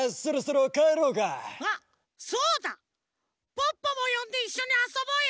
ポッポもよんでいっしょにあそぼうよ。